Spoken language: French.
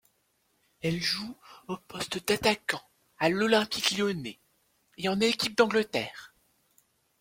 Elle joue au poste d'attaquant à l'Olympique lyonnais et en équipe d'Angleterre.